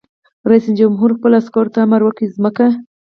رئیس جمهور خپلو عسکرو ته امر وکړ؛ ځمکه!